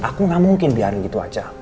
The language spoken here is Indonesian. aku gak mungkin biarin gitu aja